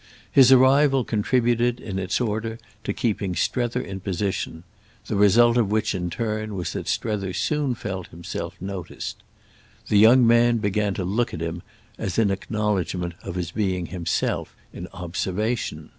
His arrival contributed, in its order, to keeping Strether in position; the result of which in turn was that Strether soon felt himself noticed. The young man began to look at him as in acknowledgement of his being himself in observation.